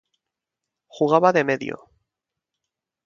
Jugaba de medio.